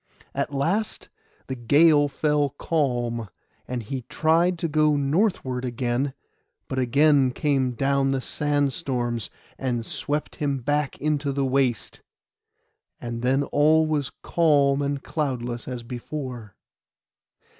At last the gale fell calm, and he tried to go northward again; but again came down the sandstorms, and swept him back into the waste, and then all was calm and cloudless as before.